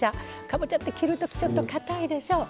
かぼちゃって切るときちょっとかたいでしょう？